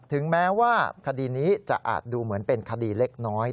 ถึงแม้ว่าคดีนี้จะอาจดูเหมือนเป็นคดีเล็กน้อย